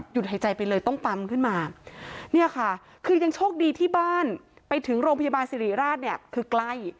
หายใจไปเลยต้องปั๊มขึ้นมาเนี่ยค่ะคือยังโชคดีที่บ้านไปถึงโรงพยาบาลสิริราชเนี่ยคือใกล้